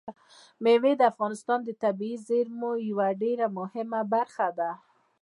مېوې د افغانستان د طبیعي زیرمو یوه ډېره مهمه برخه ده.